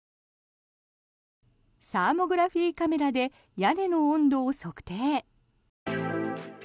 サーモグラフィーカメラで屋根の温度を測定。